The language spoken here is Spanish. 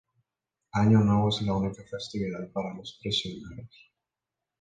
Año nuevo es la única festividad para los prisioneros.